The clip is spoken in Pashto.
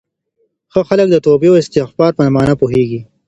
ښه خلک د توبې او استغفار په مانا پوهېږي.